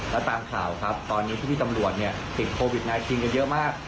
แล้วตามข่าวครับตอนนี้พี่ตำรวจเนี่ยติดโควิด๑๙กันเยอะมาก